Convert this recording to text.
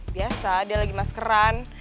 biasa dia lagi maskeran